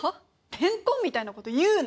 レンコンみたいなこと言うな！